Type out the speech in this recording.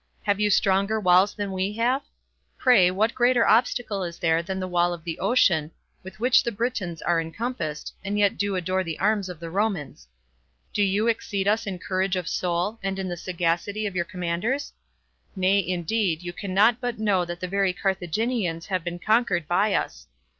Have you stronger walls than we have? Pray, what greater obstacle is there than the wall of the ocean, with which the Britons are encompassed, and yet do adore the arms of the Romans. Do you exceed us in courage of soul, and in the sagacity of your commanders? Nay, indeed, you cannot but know that the very Carthaginians have been conquered by us.